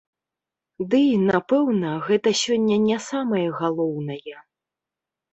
Дый, напэўна, гэта сёння не самае галоўнае!